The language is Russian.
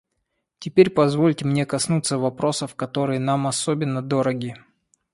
Теперь позвольте мне коснуться вопросов, которые нам особенно дороги.